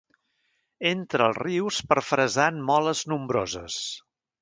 Entra als rius per fresar en moles nombroses.